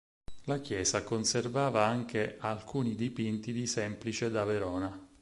La chiesa conservava anche alcuni dipinti di Semplice da Verona.